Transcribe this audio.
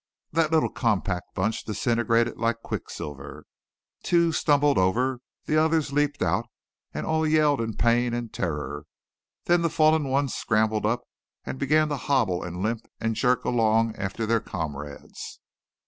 That little compact bunch disintegrated like quicksilver. Two stumbled over; the others leaped out, and all yelled in pain and terror. Then the fallen ones scrambled up and began to hobble and limp and jerk along after their comrades.